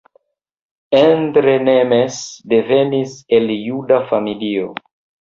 Endre Nemes devenis el juda familio.